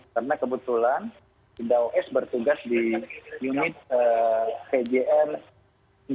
karena kebetulan bintaru s bertugas di unit pjn empat